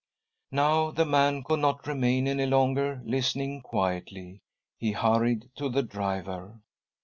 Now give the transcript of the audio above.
Now the man could not remain any longer listening quietly ; he hurried to the driver.